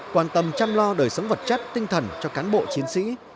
quan tâm chăm lo đời sống vật chất tinh thần cho cán bộ chiến sĩ